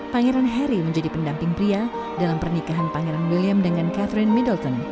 pangeran harry menjadi pendamping pria dalam pernikahan pangeran william dengan catherine middleton